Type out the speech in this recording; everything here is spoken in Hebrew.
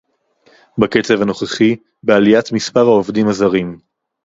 בקצב הנוכחי בעליית מספר העובדים הזרים